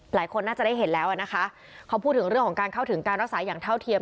หลายคนน่าจะได้เห็นแล้วอ่ะนะคะเขาพูดถึงเรื่องของการเข้าถึงการรักษาอย่างเท่าเทียม